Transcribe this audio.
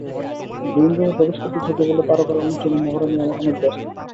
গ্রিনরুমে প্রবেশ করতেই চোখে পড়ল তারকারা অনুষ্ঠানের মহড়া নিয়ে অনেক ব্যস্ত।